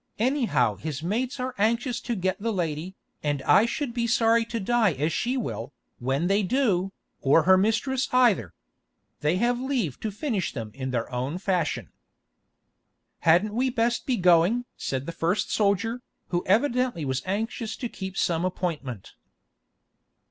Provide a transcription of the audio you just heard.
Anyhow his mates are anxious to get the lady, and I should be sorry to die as she will, when they do, or her mistress either. They have leave to finish them in their own fashion." "Hadn't we best be going?" said the first soldier, who evidently was anxious to keep some appointment.